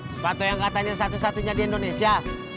sepatu yang katanya satu satunya di indonesia